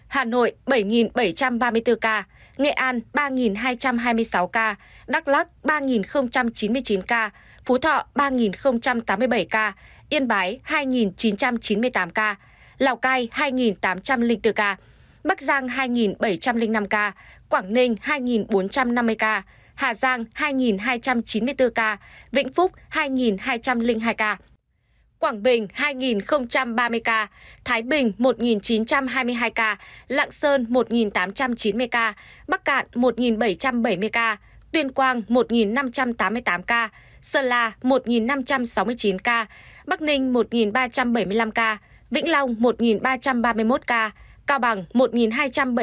quảng ninh hai bốn trăm năm mươi ca hà giang hai hai trăm chín mươi bốn ca vĩnh phúc hai hai trăm linh hai ca quảng bình hai ba mươi ca thái bình một chín trăm hai mươi hai ca lạng sơn một tám trăm chín mươi ca bắc cạn một bảy trăm bảy mươi ca tuyên quang một năm trăm tám mươi tám ca sơn la một năm trăm sáu mươi chín ca bắc ninh một ba trăm bảy mươi năm ca vĩnh long một ba trăm ba mươi một ca cao bằng một hai trăm bảy mươi ba ca